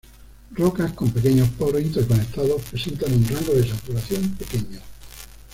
Rocas con pequeños poros interconectados presentan un rango de saturación pequeño.